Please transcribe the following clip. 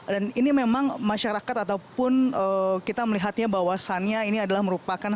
dan ini memang masyarakat ataupun kita melihatnya bahwasannya ini adalah merupakan